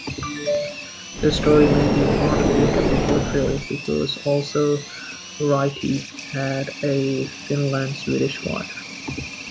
This story may be partly apocryphal, because also Ryti had a Finland-Swedish wife.